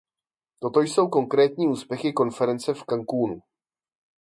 Toto jsou konkrétní úspěchy konference v Cancúnu.